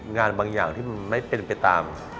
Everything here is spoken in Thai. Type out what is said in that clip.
งานบางอย่างที่มันไม่เป็นไปตาม